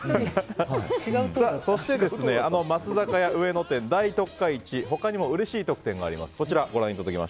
そして、松坂屋上野店大特価市他にもうれしい特典があります。